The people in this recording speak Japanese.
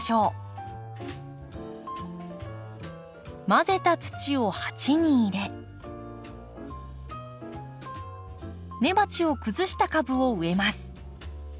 混ぜた土を鉢に入れ根鉢を崩した株を植えます。